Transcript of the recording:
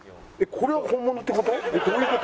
これは本物って事！？